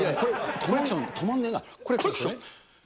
コ、コ、コレクション。